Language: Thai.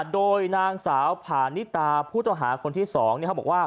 โดยนางสาวผ่านนิตาผู้ต้องหาคนที่๒เขาบอกว่า